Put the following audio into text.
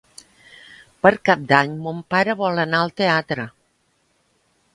Per Cap d'Any mon pare vol anar al teatre.